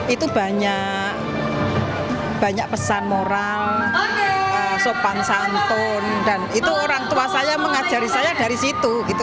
itu banyak pesan moral sopan santun dan itu orang tua saya mengajari saya dari situ gitu